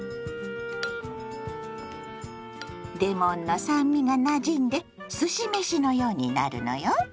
レモンの酸味がなじんですし飯のようになるのよ。